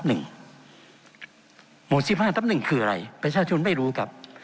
หมวด๑๕ทับ๑คืออะไรประชาชนไม่รู้ครับ